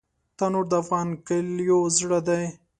تنور د افغان کلیو زړه دی